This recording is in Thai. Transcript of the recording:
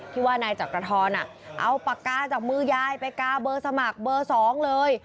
ที่ว่านายจักรทรเอาปากกาจากมือยายไปกาเบอร์สมัครเบอร์๒เลย